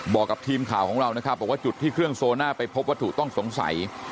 บอกกับทีมข่าวของเรานะครับบอกว่าจุดที่เครื่องโซน่าไปพบวัตถุต้องสงสัย